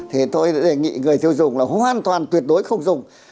thì tôi đã đề nghị người tiêu dùng là hoàn toàn tuyệt đối không dùng